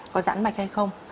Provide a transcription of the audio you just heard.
có giãn mạch hay không